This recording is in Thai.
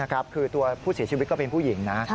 คือตัวผู้เสียชีวิตก็เป็นผู้หญิงนะ